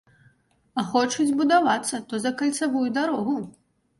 А хочуць будавацца, то за кальцавую дарогу!